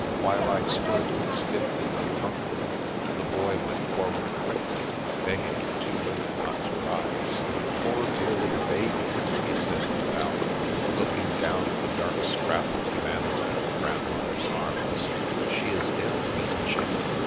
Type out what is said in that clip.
While I stood, stiff and uncomfortable, the Boy went forward quickly, begging the two women not to rise. " Poor, dear little baby !" he said in Italian, 200 The Princess Passes looking down at the dark scrap of humanity in the grandmother's arms. " She is ill, isn't she?